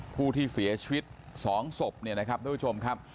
ผู้ที่เสียชีวิต๒ศพเนี่ยนะครับทุกผู้ชมครับ